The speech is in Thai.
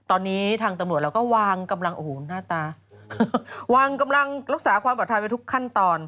โอ๊ทำการจะเข้าไปริย